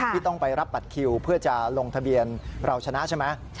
ที่ต้องไปรับบัตรคิวเพื่อจะลงทะเบียนเราชนะใช่ไหม